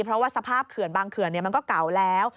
เพราะว่าสภาพเขื่อนบางเขื่อนมันก็เก่าแล้ว